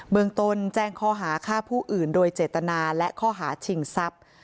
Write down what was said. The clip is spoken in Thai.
เมืองต้นแจ้งข้อหาฆ่าผู้อื่นโดยเจตนาและข้อหาชิงทรัพย์